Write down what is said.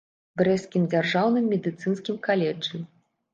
Брэсцкім дзяржаўным медыцынскім каледжы.